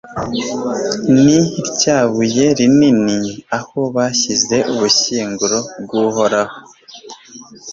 ni rya buye rinini, aho bashyize ubushyinguro bw'uhoraho